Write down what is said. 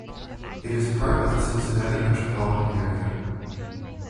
It is part of the Cincinnati metropolitan area.